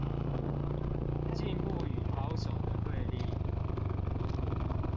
進步與保守的對立